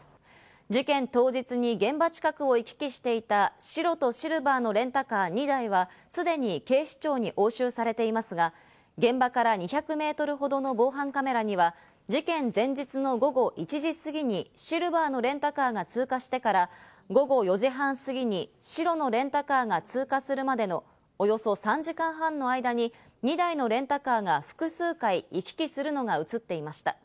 事件当日に現場近くを行き来していた白とシルバーのレンタカー２台はすでに警視庁に押収されていますが、現場から２００メートルほどの防犯カメラには、事件前日の午後１時過ぎにシルバーのレンタカーが通過してから、午後４時半過ぎに白のレンタカーが通過するまでのおよそ３時間半の間に２台のレンタカーが複数回行き来するのが映っていました。